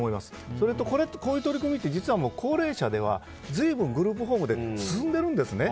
それとこういう取り組みって高齢者では随分グループホームで進んでいるんですね。